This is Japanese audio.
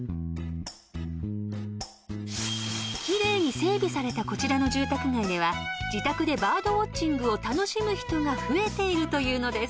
［奇麗に整備されたこちらの住宅街では自宅でバードウオッチングを楽しむ人が増えているというのです］